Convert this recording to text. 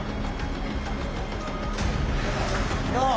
どう？